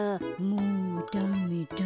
もうダメだ。